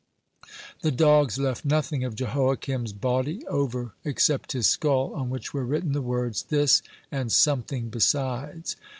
(128) The dogs left nothing of Jehoiakim's body over except his skull, on which were written the words: "This and something besides."